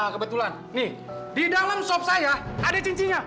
kebetulan nih di dalam soft saya ada cincinya